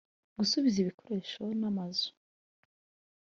gusubiza ibikoresho n’amazu